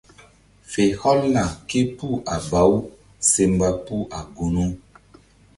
Fe hɔlna képuh a baw se mba puh a gunu.